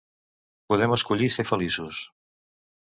Podem escollir ser feliços.